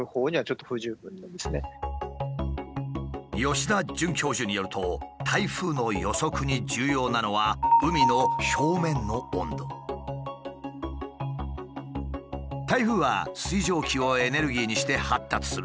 吉田准教授によると台風の予測に重要なのは台風は水蒸気をエネルギーにして発達する。